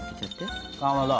かまど！